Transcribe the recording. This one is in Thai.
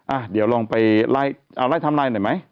อ่ะเดี๋ยวลองไปไล่เอาไล่ทำไลน์หน่อยไหม